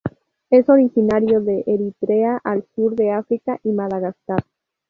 Es originario de Eritrea al sur de África y Madagascar.